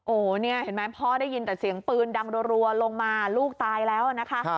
โอ้โหเนี่ยเห็นไหมพ่อได้ยินแต่เสียงปืนดังรัวลงมาลูกตายแล้วนะคะ